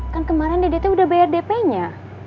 kan kemarin dede teh udah bayar dpnya